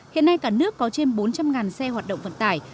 hiện nay cả nước có trên bốn trăm linh xe hoạt động vận tải